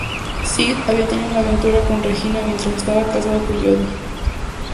Sid había tenido una aventura con Regina mientras estaba casado con Jody.